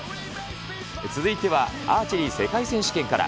続いては、アーチェリー世界選手権から。